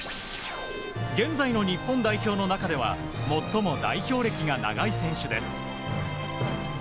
現在の日本代表の中では最も代表歴が長い選手です。